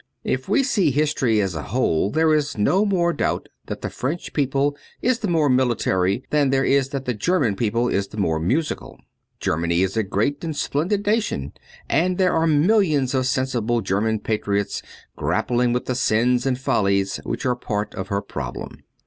If we see history as a whole there is no more doubt that the French people is the more military than there is that the German people is the more musical. Germany is a great and splendid nation ; and there are millions of sensible German patriots grappling with the sins and follies which are part of her problem.